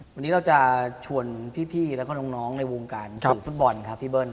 วันนี้เราจะชวนพี่แล้วก็น้องในวงการสื่อฟุตบอลครับพี่เบิ้